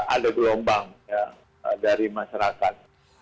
ada gelombang dari masyarakat